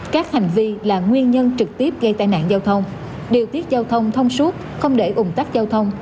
các hành vi là nguyên nhân trực tiếp gây tai nạn giao thông điều tiết giao thông thông suốt không để ủng tắc giao thông